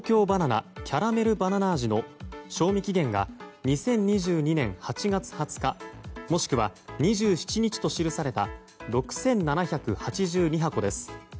奈キャラメルバナナ味の賞味期限が２０２２年８月２０日もしくは２７日と記された６７８２箱です。